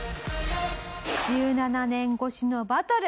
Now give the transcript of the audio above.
１７年越しのバトル。